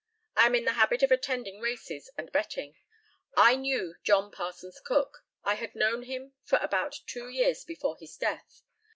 I am in the habit of attending races and betting. I knew John Parsons Cook. I had known him for about two years before his death.